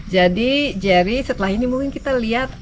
jadi jerry setelah ini mungkin kita lihat